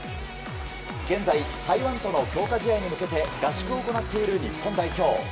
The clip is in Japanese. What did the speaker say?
現在、台湾との強化試合に向けて合宿を行っている日本代表。